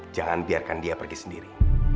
jangan biarkan dia pergi sendiri